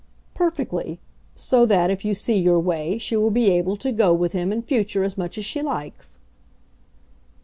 "Perfectly so that, if you see your way, she will be able to 'go with him' in future as much as she likes."